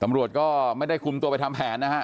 ตำรวจก็ไม่ได้คุมตัวไปทำแผนนะฮะ